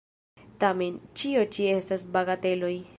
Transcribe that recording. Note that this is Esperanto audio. Tamen, ĉio ĉi estas bagateloj!